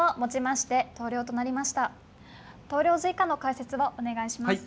投了図以下の解説をお願いします。